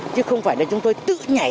chứ không phải là chúng tôi tự nhảy